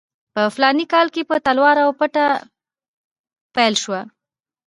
په فلاني کال کې په تلوار او پټه پیل شوه.